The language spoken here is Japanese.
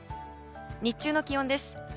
日中の気温です。